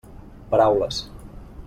Paraules.